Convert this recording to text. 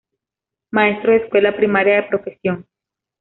Maestro de escuela primaria de profesión.